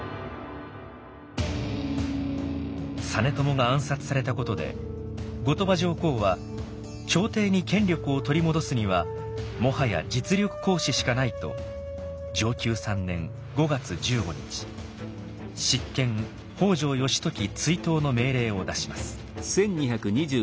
実朝が暗殺されたことで後鳥羽上皇は朝廷に権力を取り戻すにはもはや実力行使しかないと承久３年５月１５日執権北条義時追討の命令を出します。